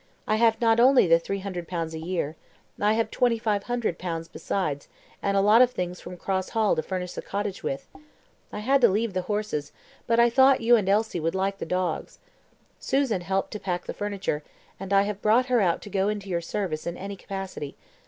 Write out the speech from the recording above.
I have not only the 300 pounds a year I have 2,500 pounds besides, and a lot of things from Cross Hall to furnish a cottage with. I had to leave the horses, but I thought you and Elsie would like the dogs. Susan helped to pack the furniture; and I have brought her out to go into your service in any capacity.